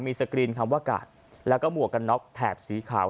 มีสกรีนคำว่ากาดแล้วก็หมวกกันน็อกแถบสีขาว